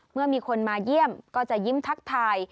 เมื่อมีคนมาเยี่ยมก็จะยิ้มทักทาย